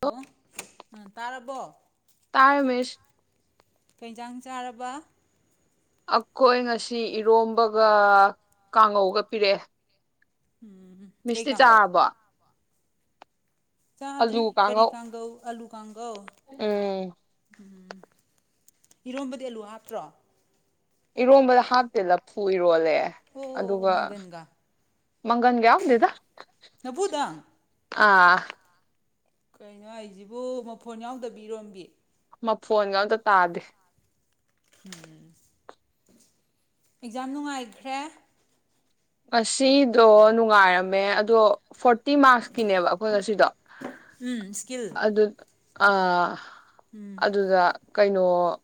Hello ꯎꯝ ꯇꯥꯔꯕꯣ ꯇꯥꯔꯦ ꯃꯤꯁ ꯀꯩꯖꯥꯡ ꯆꯥꯔꯕ ꯑꯩꯈꯣꯏ ꯉꯁꯤ ꯏꯔꯣꯝꯕꯒ ꯀꯥꯡꯉꯧꯒ ꯄꯤꯔꯛꯑꯦ ꯎꯝ ꯀꯩ ꯃꯤꯁꯇꯤ ꯀꯥꯡꯒꯧ ꯆꯥꯔꯕꯣ ꯑꯂꯨ ꯆꯥꯗ꯭ꯔꯤ ꯀꯔꯤ ꯀꯥꯡꯉꯧ ꯀꯥꯒꯧ ꯑꯂꯨ ꯀꯪꯒꯧ ꯎꯝ ꯎꯝ ꯏꯔꯣꯝꯕꯗꯤ ꯑꯂꯨ ꯍꯥꯞꯇ꯭ꯔꯣ ꯏꯔꯣꯝꯕꯗ ꯍꯥꯞꯇꯦꯗ ꯂꯐꯨ ꯏꯔꯣꯜꯂꯦ ꯍꯣ ꯑꯗꯨꯒ ꯃꯪꯒꯟꯒꯥ ꯃꯪꯒꯟꯒ ꯌꯥꯎꯗꯦꯗ꯫ ꯂꯐꯨ ꯇꯪ ꯑꯥ ꯀꯩꯅꯣ ꯍꯥꯏꯁꯤꯕꯨ ꯃꯐꯣꯟ ꯌꯥꯎꯗꯕꯤ ꯏꯔꯣꯝꯕꯤ꯫ ꯃꯐꯣꯟꯒ ꯑꯝꯇ ꯇꯥꯗꯦ꯫ ꯎꯝ ꯑꯦꯛꯖꯥꯝ ꯅꯨꯡꯉꯥꯏꯈ꯭ꯔꯦ꯫ ꯉꯁꯤꯗꯣ ꯅꯨꯡꯉꯥꯏꯔꯝꯃꯦ ꯑꯗꯣ ꯐꯣꯔꯇꯤ ꯃꯥꯔꯛꯁ ꯀꯤꯅꯦꯕ ꯑꯩꯈꯣꯏ ꯉꯁꯤꯗꯣ ꯎꯝ ꯁ꯭ꯀꯤꯜ ꯑꯗꯨ ꯑꯥ ꯑꯗꯨꯗ ꯀꯩꯅꯣ ꯗꯣ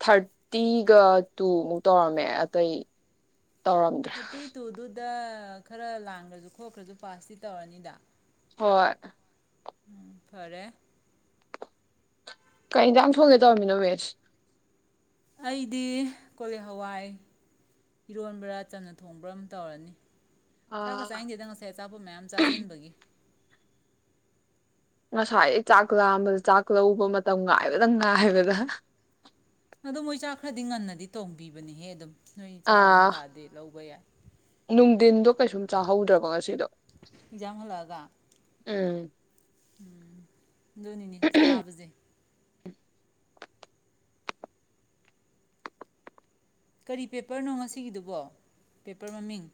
ꯊꯥꯔꯇꯤꯒ ꯇꯨ ꯃꯨꯛ ꯇꯧꯔꯝꯃꯦ ꯑꯇꯩ ꯇꯧꯔꯝꯗ꯭ꯔꯦ꯫ ꯗ ꯈꯔ ꯂꯥꯟꯈ꯭ꯔꯁꯨ ꯈꯣꯠꯈ꯭ꯔꯁꯨ ꯄꯥꯁꯇꯤ ꯇꯧꯔꯅꯤꯗ꯫ ꯍꯣꯏ ꯎꯝ ꯐꯔꯦ ꯀꯩ ꯏꯟꯖꯥꯡ ꯊꯣꯡꯒꯦ ꯇꯧꯔꯃꯤꯅꯣ ꯃꯤꯁ꯫ ꯑꯩꯗꯤ ꯀꯣꯂꯤ ꯍꯋꯥꯏ ꯏꯔꯣꯟꯕ꯭ꯔꯥ ꯆꯝꯅ ꯊꯣꯡꯕ꯭ꯔꯥ ꯑꯃ ꯇꯧꯔꯅꯤ꯫ ꯆꯥꯛꯒ ꯑꯥ ꯆꯥꯏꯪꯗꯦꯗ ꯉꯁꯥꯏ ꯑꯆꯥꯄꯣꯠ ꯃꯌꯥꯝ ꯆꯥꯁꯤꯟꯕꯒꯤ꯫ ꯉꯁꯥꯏꯗꯩ ꯆꯥꯛ ꯂꯥꯝꯕꯗ ꯆꯥꯛ ꯂꯧꯕ ꯃꯇꯝ ꯉꯥꯏꯕꯗ ꯉꯥꯏꯕꯗ ꯑꯗꯨ ꯃꯣꯏ ꯆꯥꯛ ꯈ꯭ꯔꯗꯤ ꯉꯟꯅꯗꯤ ꯇꯣꯡꯕꯤꯕꯅꯦꯍꯦ ꯑꯗꯨꯝ ꯅꯣꯏ ꯆꯥꯛ ꯂꯥꯝ ꯑꯥ ꯇꯥꯔꯗꯤ ꯂꯧꯕ ꯌꯥꯏ ꯅꯨꯡꯗꯤꯟꯗꯣ ꯀꯩꯁꯨꯝ ꯆꯥꯍꯧꯗ꯭ꯔꯕ ꯉꯁꯤ ꯑꯦꯛꯖꯥꯝ ꯍꯜꯂꯛꯑꯒ꯫ ꯎꯝ ꯎꯝ ꯑꯗꯨꯅꯤꯅꯦ ꯆꯥꯕꯁꯦ ꯀꯔꯤ ꯄꯦꯄꯔꯅꯣ ꯉꯁꯤꯒꯤꯗꯨꯕꯣ ꯄꯦꯄꯔ ꯃꯃꯤꯡ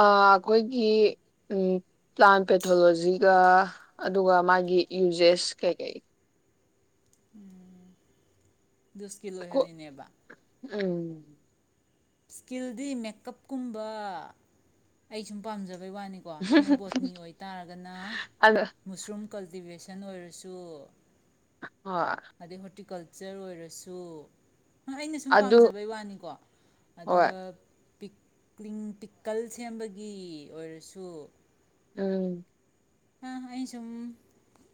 ꯑ ꯑꯈꯣꯏꯒꯤ ꯎꯝ ꯄ꯭ꯂꯥꯟ ꯄꯦꯊꯣꯂꯣꯖꯤꯒ ꯑꯗꯨꯒ ꯃꯥꯒꯤ ꯌꯨꯖꯦꯁ ꯀꯩꯀꯩ꯫ ꯎꯝ ꯗꯨ ꯁ꯭ꯀꯤꯜ ꯑꯣꯏꯍꯜꯂꯤꯅꯦꯕ꯫ ꯎꯝ ꯁ꯭ꯀꯤꯜꯗꯤ ꯃꯦꯀꯞꯀꯨꯝꯕ ꯑꯩ ꯁꯨꯝ ꯄꯥꯝꯖꯕ꯫ ꯑꯗꯨꯏ ꯋꯥꯅꯤꯀꯣ ꯅꯣꯏ ꯕꯣꯠꯅꯤ ꯑꯣꯏꯇꯥꯔꯒꯅ ꯑꯗ ꯃꯨꯁꯔꯨꯝ ꯀꯜꯇꯤꯚꯦꯁꯟ [unintelligible] ꯑꯣꯏꯔꯁꯨ ꯍꯣꯏ ꯑꯗꯩ ꯍꯣꯔꯇꯤꯀꯜꯆꯔ ꯆꯔꯑꯣꯏꯔꯁꯨ ꯑꯩꯅ ꯁꯨꯝ ꯑꯗꯨ ꯄꯥꯝꯖꯕꯩ ꯋꯥꯅꯤꯀꯣ ꯍꯣꯏ ꯑꯗꯨꯒ ꯄꯤꯛꯂꯤꯡ ꯄꯤꯀꯜ ꯁꯦꯝꯕꯒꯤ ꯑꯣꯏꯔꯁꯨ ꯎꯝ ꯑ ꯑꯩ ꯁꯨꯝ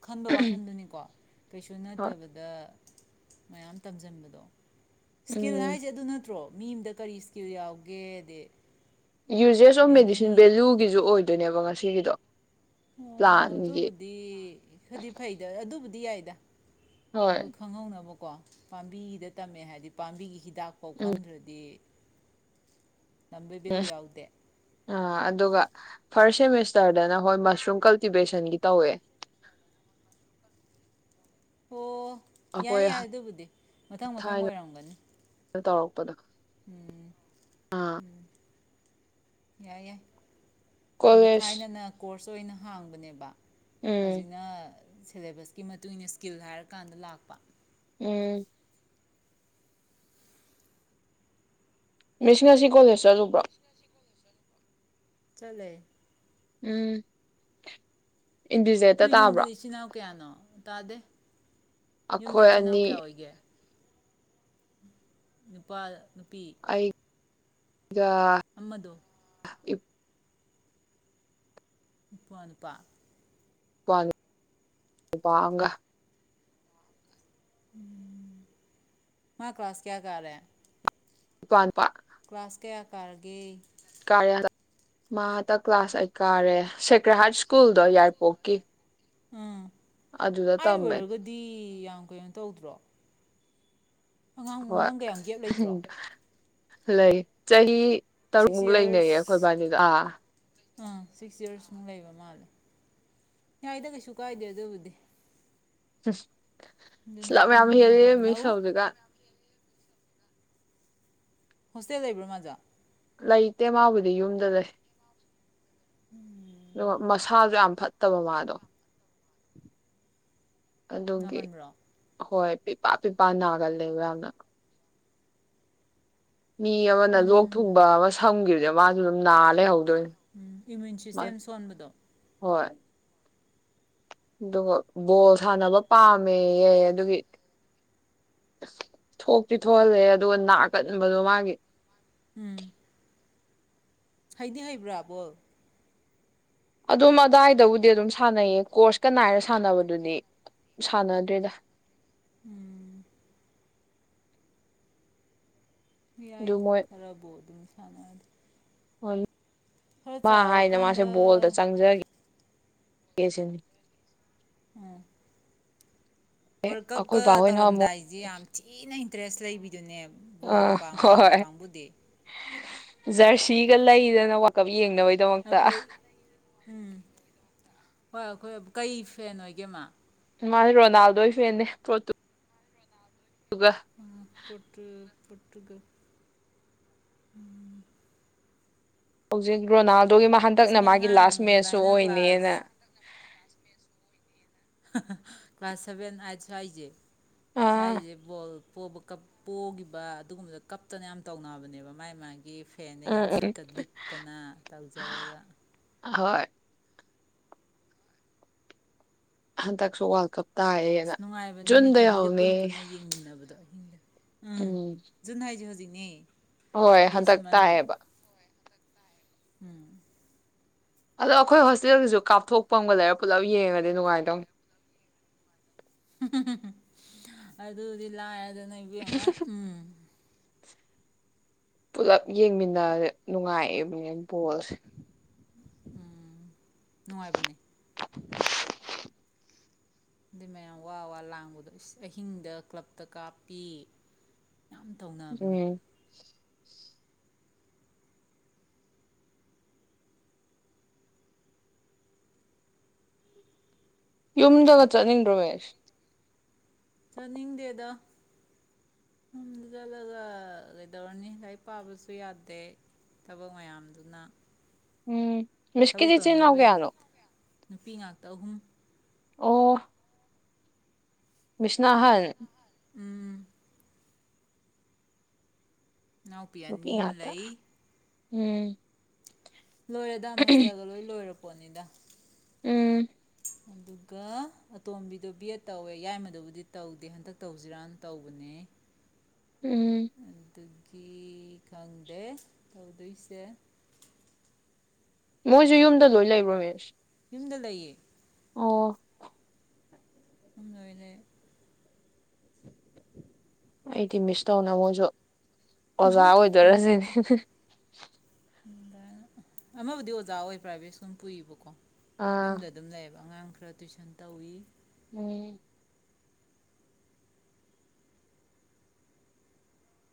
ꯈꯟꯕ ꯋꯥꯈꯟꯗꯨꯅꯤꯀꯣ ꯀꯩꯁꯨ ꯍꯣꯏ ꯅꯠꯇꯕꯗ ꯃꯌꯥꯝ ꯇꯝꯁꯤꯟꯕꯗꯣ ꯏꯁꯀꯤꯜ ꯎꯝ ꯍꯥꯏꯁꯦ ꯑꯗꯨ ꯅꯠꯇ꯭ꯔꯣ ꯃꯤ ꯑꯃꯗ ꯀꯔꯤ ꯏꯁꯀꯤꯜ ꯌꯥꯎꯒꯦꯗ ꯌꯨꯖꯦꯁ ꯑꯣꯐ ꯃꯦꯗꯤꯁꯤꯟ ꯚꯦꯂꯨꯒꯤꯁꯨ ꯑꯣꯏꯗꯣꯏꯅꯦꯕ ꯉꯁꯥꯏ ꯁꯤꯗꯣ ꯑꯣ ꯑꯗꯨꯕꯨꯗꯤ ꯈꯗꯤ ꯐꯩꯗ ꯑꯗꯨꯕꯨꯗꯤ ꯑꯗꯨ ꯌꯥꯏꯗ ꯍꯣꯏ ꯑꯈꯣꯏ ꯈꯪꯍꯧꯅꯕ ꯀꯣ ꯄꯥꯝꯕꯤꯒꯤꯗ ꯇꯝꯃꯦ ꯍꯥꯏꯗꯤ ꯄꯥꯝꯕꯤꯒꯤ ꯍꯤꯗꯥꯛꯐꯥꯎ ꯈꯪꯗ꯭ꯔꯗꯤ ꯇꯝꯕꯩ ꯚꯦꯂꯨ ꯎꯝ ꯌꯥꯎꯗꯦ ꯑ ꯑꯗꯨꯒ ꯐꯥꯔ꯭ꯁ ꯁꯦꯃꯤꯁꯇꯔꯗꯅ ꯍꯣꯏ ꯃꯁꯔꯨꯝ ꯀꯜꯇꯤꯚꯦꯁꯟꯒꯤ ꯇꯧꯋꯦ ꯑꯣ ꯑꯩꯈꯣꯏ ꯌꯥꯏ ꯌꯥꯏ ꯑꯗꯨꯕꯨꯗꯤ ꯃꯊꯪ ꯃꯊꯪ ꯊꯥꯏꯅ ꯑꯣꯏꯔꯝꯒꯅꯤ ꯇꯧꯔꯛꯄꯗꯣ ꯎꯝ ꯑꯥ ꯌꯥꯏ ꯌꯥꯏ ꯑꯗ ꯀꯣꯂꯦꯖ ꯊꯥꯏꯅꯅ ꯀꯣꯔꯁ ꯆꯣꯏꯅ ꯍꯥꯡꯕꯅꯦꯕ ꯎꯝ ꯍꯧꯖꯤꯛꯅ ꯁꯦꯂꯦꯕꯁꯀꯤ ꯃꯇꯨꯡ ꯏꯟꯅ ꯏꯁꯀꯤꯜ ꯍꯥꯏꯔꯀꯥꯟꯗ ꯂꯥꯛꯄ ꯎꯝ ꯃꯤꯇꯤ ꯉꯁꯤ ꯀꯣꯂꯦꯖ ꯆꯠꯂꯨꯕꯔꯣ ꯆꯠꯂꯦ ꯎꯝ ꯏꯟꯗꯤꯖꯦꯠꯇ ꯅꯣꯏ ꯇꯥꯕ꯭ꯔꯣ ꯌꯨꯝꯗꯗꯤ ꯏꯆꯤ ꯏꯅꯥꯎ ꯀꯌꯥꯅꯣ ꯇꯥꯗꯦ ꯌꯨꯝꯗ ꯑꯩꯈꯣꯏ ꯏꯆꯤꯜ ꯏꯅꯥꯎ ꯑꯅꯤ ꯀꯌꯥ ꯑꯣꯏꯒꯦ ꯅꯨꯄꯥ ꯅꯨꯄꯤ ꯒ ꯑꯃꯗꯣ ꯏꯄꯋꯥ ꯏꯄꯋꯥꯥꯅꯨꯄꯥ ꯏꯄꯋꯥ ꯅꯨꯄꯥ ꯑꯃꯒ ꯃꯥ ꯀ꯭ꯂꯥꯁ ꯀꯌꯥ ꯀꯥꯔꯦ ꯢꯄꯋꯥ ꯅꯨꯄꯥ ꯀ꯭ꯂꯥꯁ ꯀꯌꯥ ꯀꯥꯔꯒꯦ ꯀꯥꯔꯦ ꯃꯥꯇ ꯀ꯭ꯂꯥꯁ ꯑꯩꯠ ꯀꯥꯔꯦ ꯁꯦꯀ꯭ꯔꯦꯍꯔꯠ ꯁ꯭ꯀꯨꯜꯗꯣ ꯌꯥꯏꯔꯤꯄꯣꯛꯀꯤ ꯎꯝ ꯑꯗꯨꯗ ꯑꯥꯢꯠ ꯇꯝꯃꯦ ꯑꯣꯏꯔꯒꯗꯤ ꯌꯥꯝ ꯀꯩꯅꯣ ꯇꯧꯗ꯭ꯔꯣ ꯑꯉꯥꯡ ꯍꯣꯏ ꯅꯪ ꯀꯌꯥꯝ ꯒꯦꯞ ꯂꯩꯇ꯭ꯔꯣ ꯂꯩ ꯆꯍꯤ ꯁꯤꯛꯁ ꯇꯔꯨꯛꯃꯨꯛ ꯂꯩꯅꯩꯌꯦ ꯑꯩꯈꯣꯏ ꯌꯔꯁ ꯏꯕꯥꯅꯤꯗꯣ ꯑꯥ ꯑꯥ ꯁꯤꯛꯁ ꯌꯔꯁꯃꯨꯛ ꯂꯩꯕ ꯃꯥꯜꯂꯦ ꯌꯥꯏꯗ ꯀꯩꯁꯨ ꯀꯥꯏꯗꯦ ꯑꯗꯨꯕꯨꯗꯤ ꯑꯁ ꯑꯗꯨꯅꯤ ꯂꯝ ꯌꯥꯝ ꯀꯟꯅ ꯍꯦꯜꯂꯤ ꯃꯤꯁ ꯍꯣꯠꯅꯧ ꯍꯧꯖꯤꯛꯀꯥꯜ ꯍꯣꯁꯇꯦꯜ ꯂꯩꯕ꯭ꯔꯣ ꯃꯗꯤ ꯂꯩꯇꯦ ꯃꯥꯕꯨꯗꯤ ꯌꯨꯝꯗ ꯂꯩ ꯎꯝ ꯑꯗꯨꯒ ꯃꯁꯥꯁꯨ ꯌꯥꯝ ꯐꯠꯇꯕ ꯃꯥꯗꯣ ꯑꯗꯨꯒꯤ ꯅꯥꯀꯟꯕ꯭ꯔꯣ ꯍꯣꯏ ꯄꯤꯄꯥ ꯄꯤꯄꯥꯅꯅꯥꯒꯂꯦ ꯌꯥꯝꯅ ꯃꯤ ꯑꯃꯅ ꯂꯣꯛ ꯎꯝ ꯊꯨꯡꯕ ꯑꯃ ꯁꯝꯈꯤꯕ ꯃꯥꯒꯤ ꯅꯥꯂꯩꯍꯧ ꯎꯝ ꯏꯃ꯭ꯌꯨꯟ ꯁꯤꯁꯇꯦꯝ ꯁꯣꯟꯕꯗꯣ ꯍꯣꯏ ꯑꯗꯨꯒ ꯕꯣꯜ ꯁꯥꯟꯅꯕ ꯄꯥꯝꯃꯦꯍ ꯑꯗꯨꯒꯤ ꯊꯣꯛꯇꯤ ꯊꯣꯛꯍꯜꯂꯦ ꯑꯗꯨꯒ ꯅꯥꯀꯟꯕꯗꯣ ꯃꯥꯒꯤ ꯎꯝ ꯍꯩꯗꯤ ꯍꯩꯕ꯭ꯔꯥꯕꯣ ꯑꯗꯨꯝ ꯑꯗꯥꯋꯥꯏꯗꯕꯨꯗꯤ ꯑꯗꯨꯝ ꯁꯥꯟꯅꯩꯌꯦ ꯀꯣꯔꯁꯀ ꯅꯥꯏꯔ ꯁꯥꯟꯅꯕꯗꯨꯗꯤ ꯁꯥꯟꯅꯗ꯭ꯦꯗ ꯎꯝ ꯑꯗꯨ ꯌꯥꯏꯗ ꯃꯣꯏ ꯈꯔꯕꯣ ꯑꯗꯨꯅ ꯁꯅꯗ ꯍꯣꯏ ꯃꯥ ꯍꯥꯏꯅ ꯃꯥꯁꯦ ꯆꯥꯎꯔꯀꯥꯟꯗ ꯕꯣꯜꯗ ꯆꯪꯖꯒꯦ ꯀꯁ ꯎꯝ ꯋꯥꯔꯜ ꯑꯩꯈꯣꯏ ꯀꯞꯀ ꯕꯥꯍꯣꯏꯅ ꯑꯃꯨꯛ ꯇꯧꯔꯝꯗꯥꯏꯁꯤꯦ ꯌꯥꯝ ꯊꯤꯅ ꯏꯟꯇꯔꯦꯁ ꯂꯩꯕꯤꯗꯨꯅꯦ ꯑ ꯕꯣꯜ ꯄꯥꯝꯕ ꯀꯥꯡꯕꯨꯗꯤ ꯖꯔꯁꯤꯒꯂ ꯏ ꯅ ꯋꯥ ꯀꯕꯤ ꯌꯦꯡꯅꯕꯩꯗꯃꯛꯇ ꯑꯩꯈꯣꯏ ꯎꯝ ꯍꯣꯏ ꯑꯩꯈꯣꯏ ꯀꯩ ꯐꯦꯟ ꯑꯣꯏꯒꯦꯃ ꯃꯥꯁ ꯔꯣꯅꯥꯜꯗꯣ ꯐꯦꯟꯦ ꯄꯣꯇꯨ ꯎꯝ ꯄꯣꯠ ꯇꯒ ꯎꯝ ꯍꯧꯖꯤ ꯒꯣꯅꯥ ꯑꯗꯨꯒꯤ ꯃꯥ ꯏꯁ ꯍꯟꯗꯛꯅ ꯃꯤ ꯃꯥꯒꯤ ꯑꯉꯥꯡ ꯂꯥꯁ ꯃꯦꯁꯁꯨ ꯑꯗꯥꯏꯅ ꯑꯣꯏꯅꯦꯅ ꯀ꯭ꯂꯥꯁ ꯀ꯭ꯂꯥꯁ ꯁꯚꯦꯟ ꯑꯠꯖꯦ ꯑꯥ ꯁꯥꯏꯑꯣꯜ ꯄꯣꯈꯤꯕ ꯑꯗꯨꯒꯨꯝꯕꯗ ꯀꯞꯇꯅ ꯌꯥꯝ ꯇꯧꯅꯕꯅꯦꯕ ꯃꯥꯥꯏ ꯃꯥꯒꯤ ꯐꯦꯅꯦ ꯎꯝ ꯀꯥꯏꯅ ꯎꯝ ꯐꯨꯔꯤꯠꯀ ꯂꯤꯠꯇꯅ ꯇꯧꯖꯔꯒ ꯍꯣꯏ ꯍꯟ ꯇꯛꯁꯨ ꯋꯥꯔꯜ ꯀꯞ ꯑꯁ ꯇꯥꯏꯌꯦꯅ ꯅꯨꯡꯉꯥꯏꯕꯅꯤꯅꯦ ꯖꯨꯟꯗꯩ ꯇꯤꯚꯤꯒ ꯍꯧꯅꯤ ꯄꯨꯟꯅ ꯄꯨꯟꯅ ꯌꯦꯡꯃꯤꯟꯅꯕꯗꯣ ꯑꯍꯤꯡꯗ ꯎꯝ ꯖꯨꯅꯦ ꯍꯧꯖꯤꯛ ꯑ ꯍꯣꯏ ꯍꯟꯗꯛ ꯇꯥꯏꯌꯦꯕ ꯎꯝ ꯑꯗꯣ ꯑꯩꯈꯣꯏ ꯍꯣꯁꯇꯦꯜꯒꯤꯁꯨ ꯀꯥꯞꯊꯣꯛꯄ ꯑꯃꯒ ꯂꯩꯔꯒ ꯄꯨꯜꯂꯞ ꯌꯦꯡꯉꯗꯤ ꯅꯨꯡꯉꯥꯏꯗꯧ ꯑꯗꯨꯗꯤꯂꯥꯏꯔ ꯅꯏꯕꯦꯝꯃ ꯎꯝ ꯄꯨꯂꯞ ꯌꯦꯡꯃꯤꯟꯅ ꯅꯨꯡꯉꯥꯏꯑꯦꯕ ꯕꯣꯜꯁꯦ ꯎꯝ ꯅꯨꯡꯉꯥꯏꯕꯅꯦ ꯑꯗꯨꯩ ꯃꯌꯥꯝ ꯋꯥ ꯋꯥ ꯂꯥꯡꯕꯗꯣ ꯑꯍꯤꯡꯗ ꯀ꯭ꯂꯞꯇ ꯀꯥꯞꯄꯤ ꯌꯥꯝ ꯇꯧꯅꯕꯅꯦ ꯎꯝ ꯌꯨꯝꯗꯒ ꯐꯩ ꯆꯠꯅꯤꯡꯗ꯭ꯔꯣ ꯃꯦꯁ ꯆꯠꯅꯤꯡꯗꯦꯗ ꯌꯨꯝꯗ ꯆꯠꯂꯒ ꯀꯩꯗꯧꯔꯅꯤ ꯂꯥꯏꯔꯤꯛ ꯄꯥꯕꯁꯨ ꯌꯥꯗꯦ ꯊꯕꯛ ꯃꯌꯥꯝꯗꯨꯅ ꯎꯝ ꯊꯕꯛ ꯃꯤꯁꯀꯤꯗꯤ ꯆꯤꯟꯅꯥꯎ ꯇꯧꯅꯤꯡꯗꯕꯩ ꯀꯌꯥꯅꯣ ꯅꯨꯄꯤ ꯉꯥꯛꯇ ꯑꯍꯨꯝ ꯑꯣ ꯃꯤꯁꯅ ꯑꯍꯜ ꯎꯝ ꯏꯅꯥꯎꯄꯤ ꯅꯨꯄꯤ ꯑꯅꯤ ꯑꯃ ꯉꯥꯛꯇ ꯂꯩ ꯎꯝ ꯂꯣꯏꯔꯦꯗ ꯃꯁꯇꯒ ꯂꯣꯏ ꯂꯣꯏꯔꯦ ꯀꯣꯅꯤꯗ ꯎꯝ ꯑꯗꯨꯒ ꯑꯇꯣꯝꯕꯤꯗꯣ ꯕꯤ ꯑꯦꯠ ꯇꯧꯋꯦ ꯌꯥꯏꯃꯗꯕꯨꯗꯤ ꯇꯧꯗꯦ ꯍꯟꯗꯛ ꯇꯧꯁꯤꯔꯅ ꯇꯧꯕꯅꯦ ꯎꯝ ꯑꯗꯨꯒꯤ ꯈꯪꯗꯦ ꯇꯧꯗꯣꯏꯁꯦ ꯃꯣꯏꯁꯨ ꯌꯨꯝꯗ ꯂꯣꯏ ꯂꯩꯕ꯭ꯔꯣ ꯃꯤꯁ ꯌꯨꯝꯗ ꯂꯩꯌꯦ ꯑꯣ [unintelligible] ꯑꯩꯗꯤ ꯃꯤꯁ ꯇꯧꯅ ꯃꯣꯏꯖꯨ ꯑꯣꯖꯥ ꯎꯝꯍꯨꯝ ꯑꯣꯏꯗꯣꯔꯁꯤꯅꯦ ꯂꯩꯇꯦ ꯑꯃꯕꯨꯗꯤ ꯑꯣꯖꯥ ꯑꯣꯏ ꯄ꯭ꯔꯥꯏꯚꯦꯠ ꯁ꯭ꯀꯨꯨꯟ ꯄꯨꯏꯕꯀꯣ ꯑꯥ ꯌꯨꯝꯗ ꯑꯗꯨꯝ ꯂꯩꯌꯦꯕ ꯑꯉꯥꯡ ꯈꯔ ꯇꯨꯏꯁꯟ ꯇꯧꯋꯤ ꯎꯝ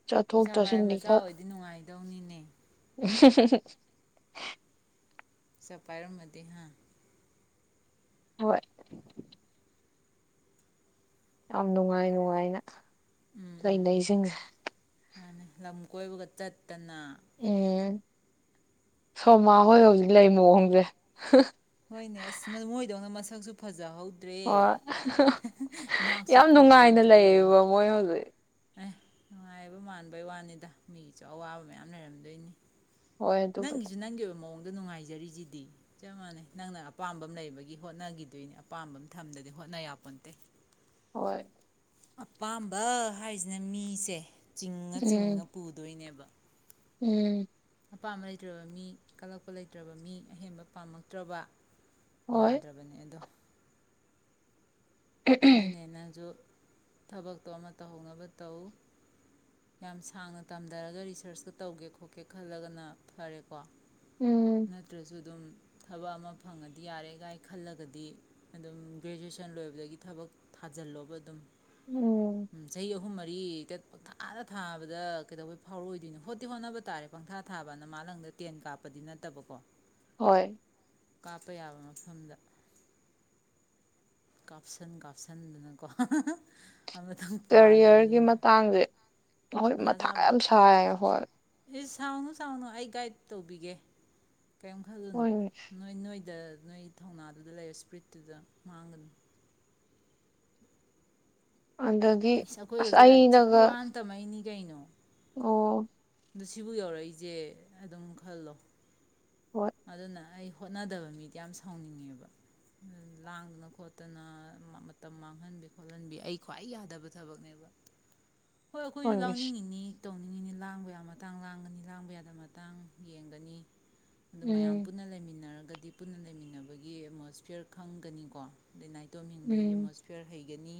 ꯆꯠꯊꯣꯛ ꯄꯩꯁꯥꯚꯥꯏ ꯆꯠꯁꯤꯟꯗꯤ ꯃꯆꯥ ꯈꯔ ꯑꯣꯏꯗꯤ ꯅꯨꯡꯉꯥꯏ ꯗꯧꯅꯤꯅꯦ [unintelligible] ꯄꯩꯁꯥ ꯄꯥꯏꯔꯝꯃꯗꯤ ꯍꯥꯥ ꯍꯣꯏ ꯌꯥꯝ ꯅꯨꯡꯉꯥꯏ ꯅꯨꯡꯉꯥꯏꯅ ꯎꯝ ꯎꯝ ꯎꯝ ꯂꯩꯥꯅꯩꯁꯤꯡꯖꯦ ꯃꯥꯅꯦ ꯂꯝ ꯀꯣꯏꯕꯒ ꯆꯠ ꯇꯅ ꯎꯝ ꯁꯣꯃꯥ ꯍꯣꯏ ꯍꯧꯖꯤꯛ ꯂꯩ ꯃꯑꯣꯡꯁꯦ ꯍꯣꯏꯅꯦ ꯑꯁ ꯃꯣꯏꯗꯧꯅ ꯃꯁꯛꯁꯨ ꯐꯖꯍꯧ ꯍꯣꯏ ꯏꯅꯥꯛꯁꯨ ꯌꯥꯝ ꯅꯨꯡꯉꯥꯏꯅ ꯈꯨꯜꯍꯧꯗ꯭ꯔꯦ ꯂꯩꯌꯦꯕ ꯃꯣꯏ ꯍꯧꯖꯤꯛ ꯑꯦ ꯅꯨꯡꯉꯥꯏꯕ ꯃꯥꯟꯕꯩ ꯋꯥꯅꯤꯗ ꯃꯤꯒꯤꯁꯨ ꯑꯋꯥꯕ ꯃꯌꯥꯝ ꯂꯩꯔꯝꯗꯣꯏꯅꯤ ꯍꯣꯏ ꯑꯗꯨꯕꯨꯗꯤ ꯅꯪꯒꯤꯁꯨ ꯅꯪꯒꯤ ꯑꯣꯏꯕ ꯃꯑꯣꯡ ꯑꯗꯨ ꯅꯨꯡꯉꯥꯏꯖꯔꯤꯁꯤꯗꯤ ꯆꯞ ꯃꯥꯟꯅꯩ ꯅꯪꯅ ꯑꯄꯥꯝꯕ ꯑꯃ ꯂꯩꯕꯒꯤ ꯍꯣꯠꯅꯈꯤꯗꯣꯏꯅꯤ ꯑꯄꯥꯝꯕꯝ ꯊꯝꯗꯗꯤ ꯍꯣꯠꯅꯌꯥꯄꯣꯟꯇꯦ ꯍꯣꯏ ꯑꯄꯥꯝꯕ ꯍꯥꯏꯁꯤꯅ ꯃꯤꯁꯦ ꯆꯤꯡꯉ ꯎꯝ ꯆꯤꯡꯉ ꯄꯨꯗꯣꯏꯅꯦꯕ ꯎꯝ ꯑꯄꯥꯝꯕ ꯂꯩꯇ꯭ꯔꯕ ꯃꯤ ꯀꯜꯂꯛꯄ ꯂꯩꯇ꯭ꯔꯕ ꯃꯤ ꯑꯍꯦꯟꯕ ꯄꯥꯝꯂꯛꯇ꯭ꯔꯕ ꯍꯣꯏ ꯌꯥꯗ꯭ꯔꯕꯅꯦ ꯑꯗꯣ ꯑꯗꯨꯅꯦ ꯅꯥꯪꯁꯨ ꯊꯕꯛꯇꯣ ꯑꯃ ꯇꯧꯍꯧꯅꯕ ꯇꯧ ꯌꯥꯝ ꯁꯥꯡꯅ ꯇꯝꯊꯔꯒ ꯔꯤꯁꯔꯁꯇꯣ ꯇꯧꯒꯦ ꯈꯣꯠꯀꯦ ꯈꯜꯂꯒꯅ ꯐꯔꯦꯀꯣ ꯎꯝ ꯅꯠꯇ꯭ꯔꯁꯨ ꯑꯗꯨꯝ ꯊꯕꯛ ꯑꯃ ꯐꯪꯉꯗꯤ ꯌꯥꯔꯦꯒꯥꯏ ꯈꯜꯂꯒꯗꯤ ꯑꯗꯨꯝ ꯒ꯭ꯔꯦꯖꯨꯑꯦꯁꯟ ꯂꯣꯏꯕꯗꯒꯤ ꯊꯕꯛ ꯊꯥꯖꯤꯜꯂꯣꯕ ꯑꯗꯨꯝ ꯎꯝ ꯆꯍꯤ ꯑꯍꯨꯝ ꯃꯔꯤ ꯒꯥꯔꯤ ꯄꯪꯊꯥꯗ ꯊꯥꯕꯗ ꯀꯩꯗꯧꯕꯩ ꯐꯥꯎꯔꯏꯗꯣꯏꯅꯤꯣ ꯍꯣꯠꯇꯤ ꯍꯣꯠꯅꯕ ꯇꯥꯔꯦ ꯄꯪꯊꯥ ꯊꯥꯕꯅ ꯃꯥ ꯂꯪꯗ ꯇꯦꯟ ꯀꯥꯞꯄꯗꯤ ꯅꯠꯇꯕꯀꯣ ꯍꯣꯏ ꯀꯥꯞꯄ ꯌꯥꯕ ꯃꯐꯝꯗ ꯀꯥꯞꯁꯤꯟ ꯀꯥꯞꯁꯤꯟꯗꯅꯀꯣ ꯀꯦꯔꯤꯌꯔꯒꯤ ꯃꯇꯥꯡꯁꯦ ꯑꯩꯈꯣꯏ ꯃꯊꯥ ꯌꯥꯝ ꯁꯥꯏ ꯍꯣꯏ ꯑꯦ ꯁꯥꯎꯅꯨ ꯁꯥꯎꯅꯨ ꯑꯩ ꯒꯥꯏꯗ ꯇꯧꯕꯤꯒꯦ ꯀꯔꯤꯝ ꯈꯜꯂꯨꯅꯣ ꯍꯣꯏ ꯅꯣꯏ ꯅꯣꯏ ꯗ ꯅꯣꯏꯒꯤ ꯊꯧꯅꯥꯗꯨꯗ ꯂꯩꯔꯦ ꯏꯁ꯭ꯄ꯭ꯔꯤꯠꯇꯨꯗ ꯃꯥꯡꯒꯅꯨ ꯑꯗꯒꯤ ꯏꯁ ꯑꯁ ꯑꯩꯈꯣꯏꯒꯁꯦ ꯂꯥꯏꯔꯤꯛ ꯊꯤ ꯑꯩꯅꯒ ꯋꯥꯅ ꯇꯝꯃꯛꯏꯅꯤ ꯀꯩꯅꯣ ꯑꯣ ꯑꯗꯣ ꯁꯤꯕꯨ ꯌꯧꯔꯛꯏꯁꯦ ꯑꯗꯨꯝ ꯈꯜꯂꯣ ꯍꯣꯏ ꯑꯗꯨꯅ ꯑꯩ ꯍꯣꯠꯅꯗꯕ ꯃꯤꯗꯤ ꯌꯥꯝ ꯁꯥꯎꯅꯤꯡꯉꯦꯕ ꯂꯥꯡꯗꯅ ꯈꯣꯠꯇꯅ ꯃꯇꯝ ꯃꯥꯡꯍꯟꯕꯤ ꯈꯣꯠꯍꯟꯕꯤ ꯑꯩ ꯈ꯭ꯋꯥꯏ ꯌꯥꯗꯕ ꯊꯕꯛꯅꯦꯕ ꯍꯣꯏ ꯑꯩꯈꯣꯏꯁꯨ ꯍꯣꯏꯁ ꯂꯥꯪꯅꯤꯡꯉꯤꯅꯤ ꯇꯧꯅꯤꯡꯉꯤꯅꯤ ꯂꯥꯡꯕ ꯌꯥ ꯃꯇꯥꯡ ꯂꯥꯡꯒꯅꯤ ꯂꯥꯡꯕ ꯌꯥꯗꯕ ꯃꯇꯥꯡ ꯌꯦꯡꯒꯅꯤ ꯑꯗꯨ ꯃꯌꯥꯝ ꯎꯝ ꯄꯨꯟꯅ ꯂꯩꯃꯤꯟꯅꯔꯒ ꯒꯗꯤ ꯄꯨꯟꯅ ꯂꯩꯃꯤꯟꯅꯕꯒꯤ ꯑꯦꯠꯃꯣꯁꯐꯤꯌꯔ ꯈꯪꯒꯅꯤꯀꯣ ꯑꯗꯩ ꯅꯥ ꯇꯣꯝꯅꯤꯡꯕꯒꯤ ꯎꯝ ꯑꯦꯠꯃꯣꯁꯐꯤꯌꯔ ꯍꯩ ꯒꯅꯤ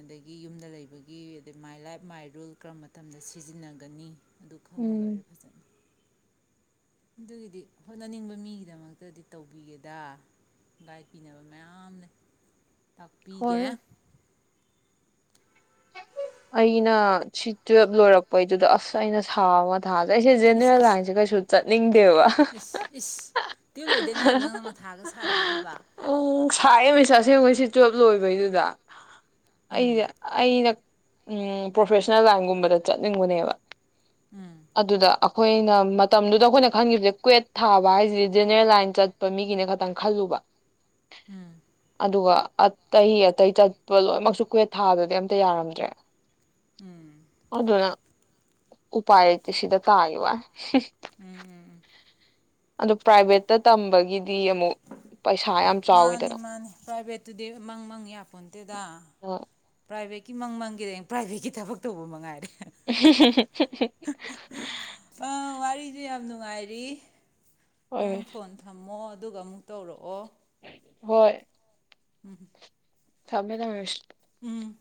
ꯑꯗꯒꯤ ꯌꯨꯝꯗ ꯂꯩꯕꯒꯤ ꯑꯗꯩ ꯃꯥꯏ ꯂꯥꯏꯐ ꯃꯥꯏ ꯔꯨꯜ ꯀꯔꯝꯕ ꯃꯇꯝꯗ ꯁꯤꯖꯤꯟꯅꯒꯅꯤ ꯑꯗꯨ ꯈꯪꯉ ꯂꯣꯏꯔꯦ ꯎꯝ ꯐꯖꯅ ꯑꯗꯨꯒꯤꯗꯤ ꯍꯣꯠꯅꯅꯤꯡꯕ ꯃꯤꯒꯤꯗꯃꯛꯇꯗꯤ ꯇꯧꯕꯤꯒꯦꯗ ꯒꯥꯏꯠ ꯄꯤꯅꯕ ꯃꯌꯥꯝ ꯂꯩ ꯇꯥꯛꯄꯤꯒꯦ ꯍꯣꯏ ꯑꯩꯅ ꯁꯤ ꯇꯨꯋꯦꯜꯕ ꯂꯣꯏꯔꯛꯄꯩꯗꯨꯗ ꯑꯁ ꯑꯩꯅ ꯁꯥꯕ ꯊꯥꯁꯦ ꯑꯩꯁꯦ ꯖꯦꯅꯦꯔꯦꯜ ꯏꯁ ꯏꯁ ꯂꯥꯏꯟꯁꯦ ꯀꯩꯁꯨ ꯆꯠꯅꯤꯡꯗꯦꯕ ꯏꯁ ꯏꯁ ꯇꯨꯌꯦꯜꯞ ꯂꯣꯏꯗ ꯉꯥꯏꯕ ꯅꯪꯅ ꯃꯊꯥꯒ ꯁꯥꯕꯤꯔꯤꯕ ꯎꯝ ꯁꯥꯏꯌꯦꯃꯤꯁ ꯑꯁꯦꯡꯕꯩꯁꯤ ꯇꯨꯋꯦꯜꯕ ꯂꯣꯏꯕꯩꯗꯨꯗ ꯎꯝ ꯑꯩ [unintelligible] ꯎꯝ ꯄ꯭ꯔꯣꯐꯦꯁꯅꯦꯜ ꯂꯥꯏꯟꯒꯨꯝꯕꯗ ꯆꯠꯅꯤꯡꯕꯅꯦꯕ ꯎꯝ ꯑꯗꯨꯗ ꯑꯩꯈꯣꯏꯅ ꯃꯇꯝꯗꯨꯗ ꯑꯩꯈꯣꯏꯅ ꯈꯟꯈꯤꯕꯁꯦ ꯀ꯭ꯋꯦꯠ ꯊꯥꯕ ꯍꯥꯏꯁꯤꯗꯤ ꯖꯦꯅꯦꯔꯦꯜ ꯂꯥꯏꯟ ꯆꯠꯄ ꯃꯤꯒꯤꯅ ꯈꯇꯪ ꯈꯜꯂꯨꯕ ꯎꯝ ꯑꯗꯨꯒ ꯑꯇꯩ ꯑꯇꯩ ꯆꯠꯄ ꯂꯣꯏꯅꯃꯛꯁꯨ ꯀꯨꯋꯦ ꯊꯥꯗꯗꯤ ꯑꯝꯇ ꯌꯥꯔꯝꯗ꯭ꯔꯦ ꯎꯝ ꯎꯝ ꯎꯝ ꯑꯗꯨꯅ ꯄꯥꯏ ꯇꯦ ꯁꯤꯗ ꯇꯥꯒꯤꯕ ꯋꯥꯅꯤ ꯎꯝ ꯑꯗ ꯄ꯭ꯔꯥꯏꯚꯦꯠꯇ ꯇꯝꯕꯒꯤꯗꯤ ꯑꯃꯨꯛ ꯄꯩꯁꯥ ꯌꯥꯝ ꯆꯥꯎꯋꯤꯗꯅ ꯑꯗꯨꯨꯗꯤ ꯃꯪ ꯃꯪ ꯌꯥꯄꯣꯟ ꯇꯦꯗꯥ ꯑ ꯄ꯭ꯔꯥꯏꯚꯦꯠꯀꯤ ꯃꯪ ꯃꯪꯒꯦꯗꯤ ꯄ꯭ꯔꯥꯏꯚꯦꯠꯀꯤ ꯊꯕꯛ ꯇꯧꯕ ꯃꯉꯥꯏꯔꯦ [unintelligible] [unintelligible] ꯑꯩꯁꯨ ꯌꯥꯝ ꯅꯨꯡꯉꯥꯏꯔꯤ ꯅꯪ ꯍꯣꯏ ꯐꯣꯟ ꯊꯝꯃꯣ ꯑꯗꯨꯒ ꯑꯃꯨꯛ ꯇꯧꯔꯛꯑꯣ ꯍꯣꯏ ꯎꯝ ꯊꯃꯦ ꯊꯃꯦꯁ ꯎꯝ